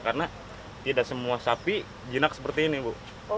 karena tidak semua sapi jinak seperti ini bu